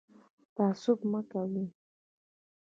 تعصب مه کوئ